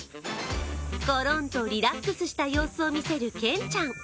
ごろんとリラックスした様子を見せるケンちゃん。